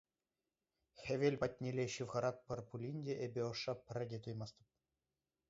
Хевел патнелле ҫывхаратпӑр пулин те эпӗ ӑшша пӗрре те туймастӑп.